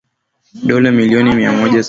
dola milioni mia moja sabini na tatu